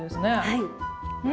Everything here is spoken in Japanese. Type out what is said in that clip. はい。